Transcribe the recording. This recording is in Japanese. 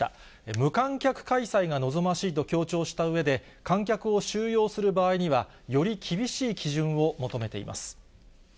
無観客開催が望ましいと強調したうえで、観客を収容する場合にはより厳しい基準を求めています。